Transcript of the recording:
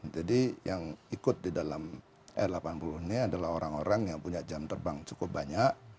jadi yang ikut di dalam r delapan puluh ini adalah orang orang yang punya jam terbang cukup banyak